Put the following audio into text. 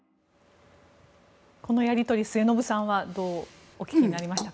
このやり取り、末延さんはどうお聞きになりましたか。